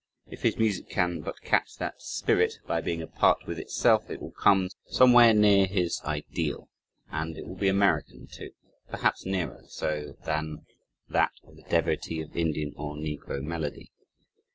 If his music can but catch that "spirit" by being a part with itself, it will come somewhere near his ideal and it will be American, too, perhaps nearer so than that of the devotee of Indian or negro melody.